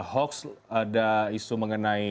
hoax ada isu mengenai